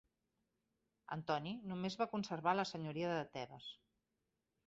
Antoni només va conservar la senyoria de Tebes.